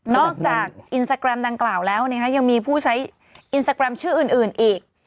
อกจากอินสตาแกรมดังกล่าวแล้วยังมีผู้ใช้อินสตาแกรมชื่ออื่นอีก